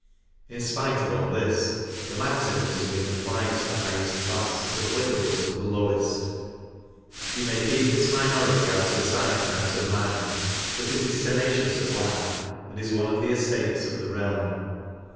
In spite of all this, the maxim that has been applied to the highest class is applicable to the lowest :" You may keep this minority out of sight and out of mind, but it is tenacious of life, and is one of the estates of the realm."